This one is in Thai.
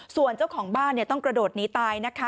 ส่วนเจ้าของบ้านต้องกระโดดหนีตายนะคะ